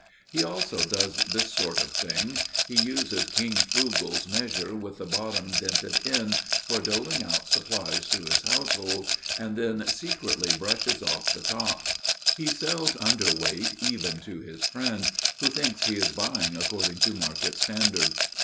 He also does this sort of thing: he uses King Frugal's measure with the bottom dented in, for doling out supplies to his household and then secretly brushes off the top. He sells underweight even to his friend, who thinks he is buying according to market standard.